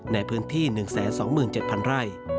ในพื้นที่๑๒๗๐๐ไร่